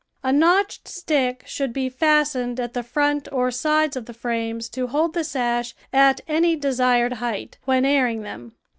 A notched stick should be fastened at the front or sides of the frames to hold the sash at any desired height when airing them.